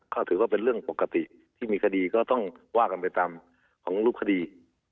ก็ถือว่าเป็นเรื่องปกติที่มีคดีก็ต้องว่ากันไปตามของรูปคดี